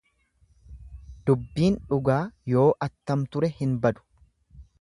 Dubbiin dhugaa yoo attam ture hin badu.